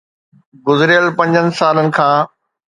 گذريل پنجن سالن کان